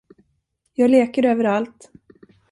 Jag leker överallt.